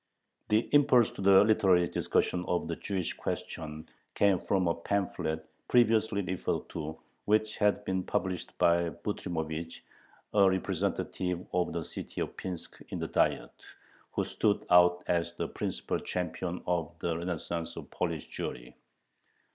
The impulse to the literary discussion of the Jewish question came from a pamphlet previously referred to, which had been published by Butrymovich, a representative of the city of Pinsk in the Diet, who stood out as the principal champion of the renaissance of Polish Jewry.